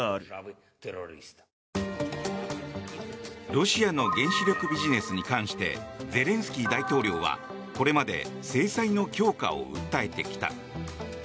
ロシアの原子力ビジネスに関してゼレンスキー大統領はこれまで制裁の強化を訴えてきた。